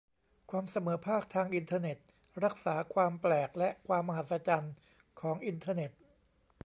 ความเสมอภาคทางอินเทอร์เน็ตรักษาความแปลกและความมหัศจรรย์ของอินเทอร์เน็ต